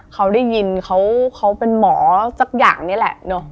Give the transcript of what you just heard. เขาได้ยินเขาเป็นหมอสักอย่างนี้แหละเนอะ